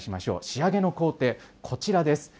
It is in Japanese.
仕上げの工程、こちらです。